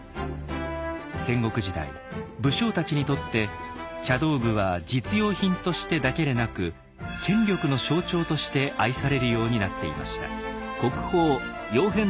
戦国時代武将たちにとって茶道具は実用品としてだけでなく権力の象徴として愛されるようになっていました。